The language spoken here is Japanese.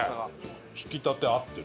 引き立て合ってる。